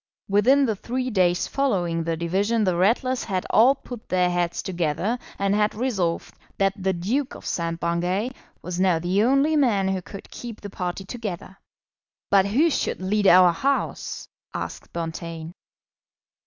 Within the three days following the division the Ratlers had all put their heads together and had resolved that the Duke of St. Bungay was now the only man who could keep the party together. "But who should lead our House?" asked Bonteen.